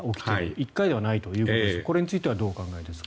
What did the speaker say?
１回ではないということですがこれについてはどうお考えですか。